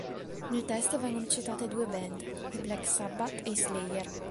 Nel testo vengono citate due band: i Black Sabbath e gli Slayer.